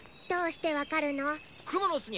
どうしてわかるの？